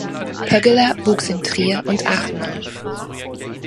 Pöggeler wuchs in Trier und Aachen auf.